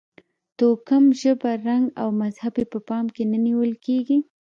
توکم، ژبه، رنګ او مذهب یې په پام کې نه نیول کېږي.